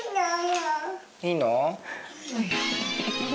いいの？